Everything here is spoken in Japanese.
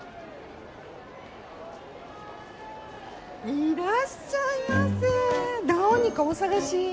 いらっしゃいませ何かお探し？